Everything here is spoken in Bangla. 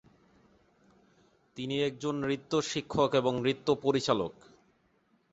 তিনি একজন নৃত্য শিক্ষক এবং নৃত্য পরিচালক।